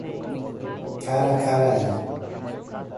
Caracaraí